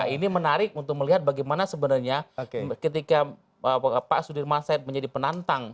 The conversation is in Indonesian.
ini menarik untuk melihat bagaimana sebenarnya ketika pak sudirman said menjadi penantang